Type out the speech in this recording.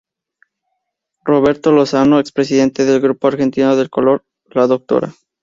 Roberto Lozano, expresidente del Grupo Argentino del color; la Dra.